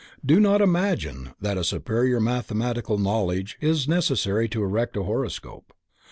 Do not imagine that a superior mathematical knowledge is necessary to erect a horoscope.